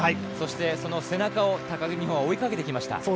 そして、その背中を高木美帆は追いかけてきました。